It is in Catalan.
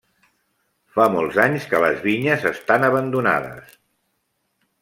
Fa molts anys que les vinyes estan abandonades.